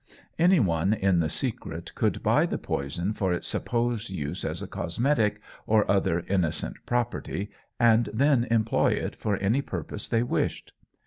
Any one in the secret could buy the poison for its supposed use as a cosmetic, or other innocent property, and then employ it for any purpose they wished.